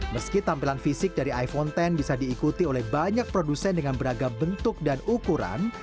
meski tampilan fisik dari iphone x bisa diikuti oleh banyak produsen dengan beragam bentuk dan ukuran